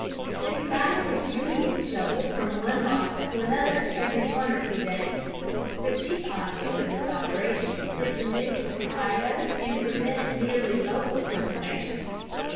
The cacao is usually shovelled from one box to another every one or two days. The chief object of this operation is to mix the cacao and prevent merely local fermentation.